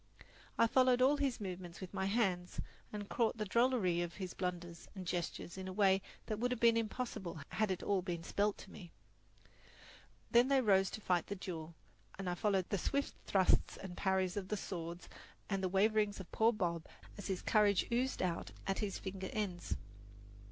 I followed all his movements with my hands, and caught the drollery of his blunders and gestures in a way that would have been impossible had it all been spelled to me. Then they rose to fight the duel, and I followed the swift thrusts and parries of the swords and the waverings of poor Bob as his courage oozed out at his finger ends.